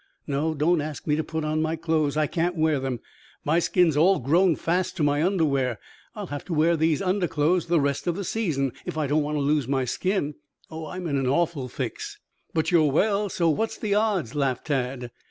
No, don't ask me to put on my clothes. I can't wear them. My skin's all grown fast to my underwear. I'll have to wear these underclothes the rest of the season if I don't want to lose my skin. Oh, I'm in an awful fix." "But you're well, so what's the odds?" laughed Tad.